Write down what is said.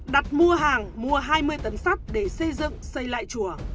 đặt mua hàng mua hai mươi tấn sắt để xây dựng xây lại chùa